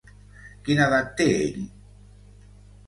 Quina edat té ell?